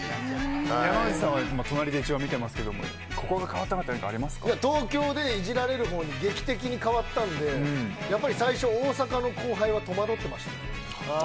山内さんは隣で見てますけどここが変わったというのは東京でいじられる方に劇的に変わったので最初、大阪の後輩は戸惑ってました。